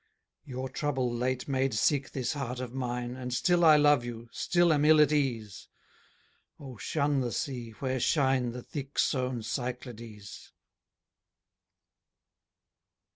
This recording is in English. Your trouble late made sick this heart of mine, And still I love you, still am ill at ease. O, shun the sea, where shine The thick sown Cyclades!